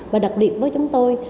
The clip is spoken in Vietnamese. và đặc điểm với chúng tôi